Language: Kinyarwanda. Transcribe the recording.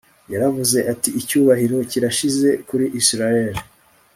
yaravuze ati icyubahiro kirashize kuri israheli